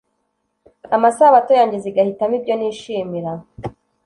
amasabato yanjye zigahitamo ibyo nishimira